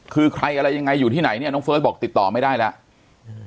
คือใครอะไรยังไงอยู่ที่ไหนเนี่ยน้องเฟิร์สบอกติดต่อไม่ได้แล้วอืม